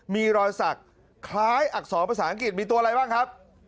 มีรอยสักคล้ายอักษรภาษาอังกฤษมีตัวอะไรบ้างครับ